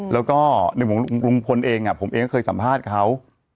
แล้วก็ในมุมลุงพลเองผมเองก็เคยสัมภาษณ์เขา